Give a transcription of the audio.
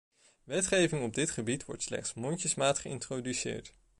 Wetgeving op dit gebied wordt slechts mondjesmaat geïntroduceerd.